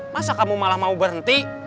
masa kamu malah mau berhenti